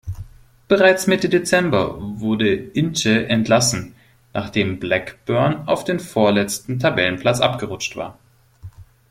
Bereits Mitte Dezember wurde Ince entlassen, nachdem Blackburn auf den vorletzten Tabellenplatz abgerutscht war.